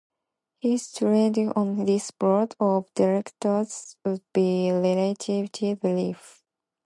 His tenure on this board of directors would be relatively brief.